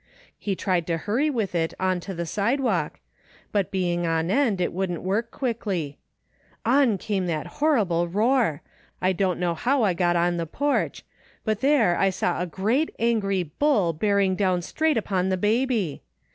He tried to hiury with it on to the side walk, but being on end it wouldn't work quickly. On came that terrible roar ! I don't know how I got out on the pordh, but there I saw a 260 THE FINDING OF JASPER HOLT great, angry bull bearing down straight upon the baby.